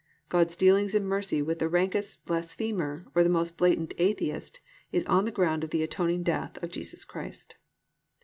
God's dealings in mercy with the rankest blasphemer or the most blatant atheist is on the ground of the atoning death of Jesus Christ.